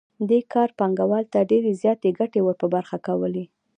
دې کار پانګوال ته ډېرې زیاتې ګټې ور په برخه کولې